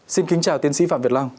xin kính chào tiến sĩ phạm việt long